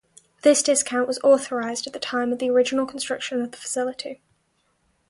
This discount was authorized at the time of the original construction of the facility.